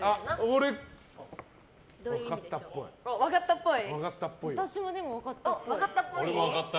俺も分かったっぽい。